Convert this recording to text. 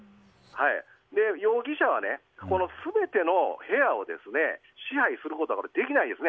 容疑者は、この全ての部屋を支配することができないですね